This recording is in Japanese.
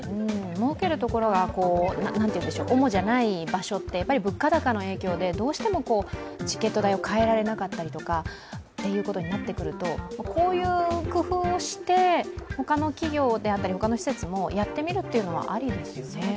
もうけるところが主じゃない場所って物価高の影響でチケット代を変えられなかったりということになるとこういう工夫をしてほかの企業だったり、ほかの施設もやってみるっていうのはありですよね。